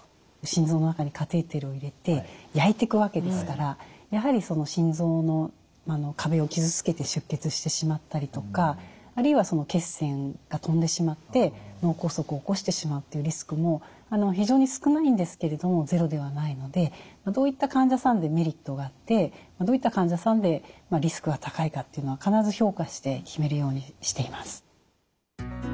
心臓の中にカテーテルを入れて焼いていくわけですからやはり心臓の壁を傷つけて出血してしまったりとかあるいは血栓が飛んでしまって脳梗塞を起こしてしまうというリスクも非常に少ないんですけれどもゼロではないのでどういった患者さんでメリットがあってどういった患者さんでリスクが高いかというのは必ず評価して決めるようにしています。